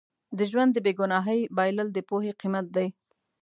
د ژوند د بې ګناهۍ بایلل د پوهې قیمت دی.